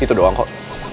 itu doang kok